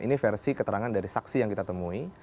ini versi keterangan dari saksi yang kita temui